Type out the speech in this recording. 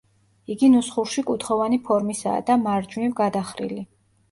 იგი ნუსხურში კუთხოვანი ფორმისაა და მარჯვნივ გადახრილი.